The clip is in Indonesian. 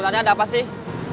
sebenernya ada apa sih